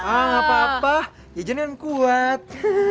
ah gak apa apa jejen kan kuat